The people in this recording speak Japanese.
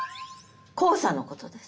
黄砂のことです。